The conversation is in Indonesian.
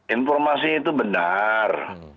informasi itu benar